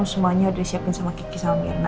semuanya udah siapin sama kiki sama mirna